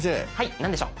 何でしょう。